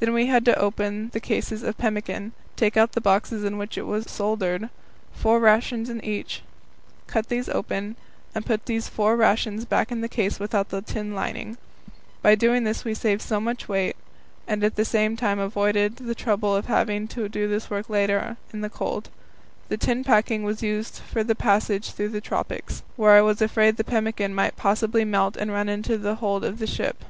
Then we had to open the cases of pemmican, take out the boxes in which it was soldered, four rations in each, cut these open, and put the four rations back in the case without the tin lining. By doing this we saved so much weight, and at the same time avoided the trouble of having this work to do later on in the cold. The tin packing was used for the passage through the tropics, where I was afraid the pemmican might possibly melt and run into the hold of the ship.